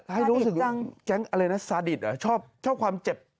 สาดิจจังแก๊งนี้อะไรนะสาดิจชอบความเจ็บ